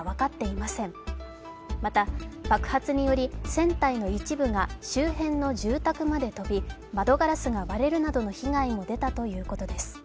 また、爆発により船体の一部が周辺の住宅まで飛び、窓ガラスが割れるなどの被害が出たということです。